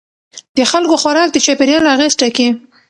د خلکو خوراک د چاپیریال اغېز ټاکي.